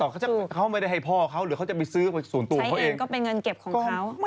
เขาจะไม่ได้ให้พ่อเขาหรือเขาจะไปซื้อส่วนตัวนเป็นเงินเก็บของเขา